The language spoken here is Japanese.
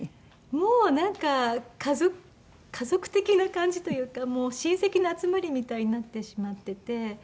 もうなんか家族的な感じというか親戚の集まりみたいになってしまってて。